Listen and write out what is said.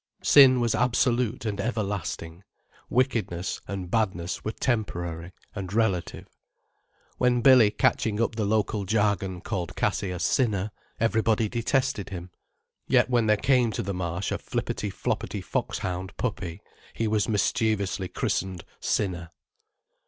Sin was absolute and everlasting: wickedness and badness were temporary and relative. When Billy, catching up the local jargon, called Cassie a "sinner", everybody detested him. Yet when there came to the Marsh a flippetty floppetty foxhound puppy, he was mischievously christened "Sinner".